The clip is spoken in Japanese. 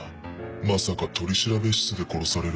まさか取調室で殺されるとは。